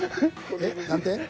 えっ何て？